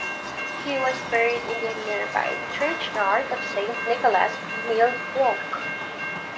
He was buried in the nearby churchyard of Saint Nicholas, Millbrook.